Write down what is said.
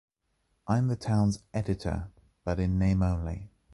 I’m the town’s editor, but in name only.